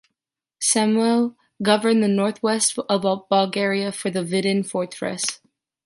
Samuel governed the north-west of Bulgaria from the Vidin fortress.